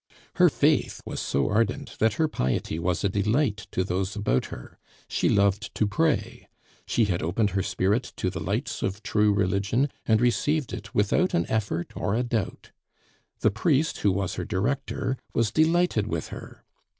Her faith was so ardent that her piety was a delight to those about her. She loved to pray. She had opened her spirit to the lights of true religion, and received it without an effort or a doubt. The priest who was her director was delighted with her.